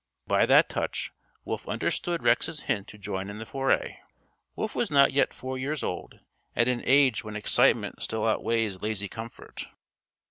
By that touch Wolf understood Rex's hint to join in the foray. Wolf was not yet four years old at an age when excitement still outweighs lazy comfort.